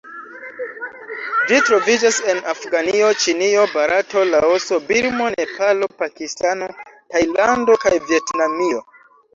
Ĝi troviĝas en Afganio, Ĉinio, Barato, Laoso, Birmo, Nepalo, Pakistano, Tajlando kaj Vjetnamio.